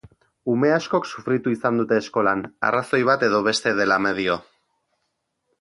Ume askok sufritu izan dute eskolan, arrazoi bat edo beste dela medio.